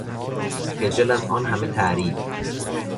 خجل از آن همه تعریف